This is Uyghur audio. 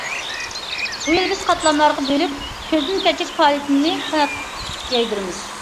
بۇ يىل بىز قاتلاملارغا بۆلۈپ كۆزدىن كەچۈرۈش پائالىيىتىنى قانات يايدۇرىمىز.